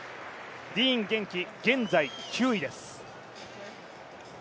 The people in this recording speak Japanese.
ディーン元気、現在９位です。